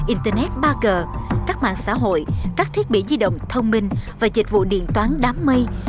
internet ba g các mạng xã hội các thiết bị di động thông minh và dịch vụ điện toán đám mây